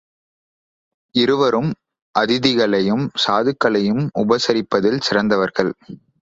இருவரும் அதிதிகளையும் சாதுக்களையும் உபசரிப்பதில் சிறந்தவர்கள்.